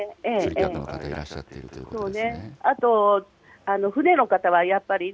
釣りの客の方がいらっしゃるということですね。